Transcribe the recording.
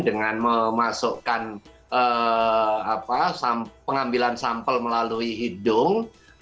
dengan memasukkan pengambilan sampel melalui hidung